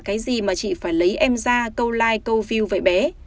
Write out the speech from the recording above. vậy thành tựu của em là cái gì mà chị phải lấy em ra câu live câu view vậy bé